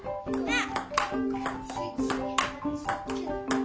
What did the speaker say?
あっ。